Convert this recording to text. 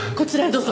どうぞ。